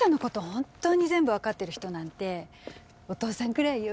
本当に全部分かってる人なんてお父さんくらいよ。